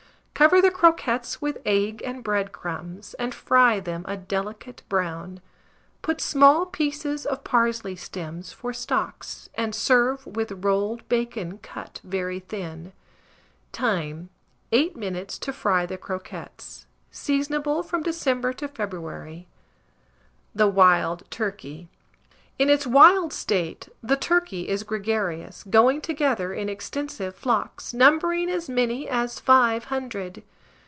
Cover the croquettes with egg and bread crumbs, and fry them a delicate brown. Put small pieces of parsley stems for stalks, and serve with, rolled bacon cut very thin. Time. 8 minutes to fry the croquettes. Seasonable from December to February. THE WILD TURKEY. In its wild state, the turkey is gregarious, going together in extensive flocks, numbering as many as five hundred.